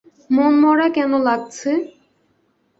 মনমরা কেন লাগছে?